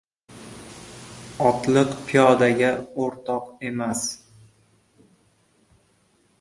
• Otliq piyodaga o‘rtoq emas.